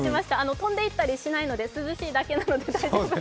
飛んで行ったりしないので、涼しいだけなので大丈夫です。